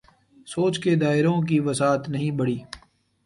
سوچ کے دائروں کی وسعت نہیں بڑھی۔